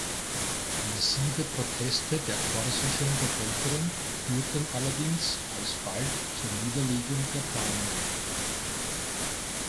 Massive Proteste der korsischen Bevölkerung führten allerdings alsbald zur Niederlegung der Planungen.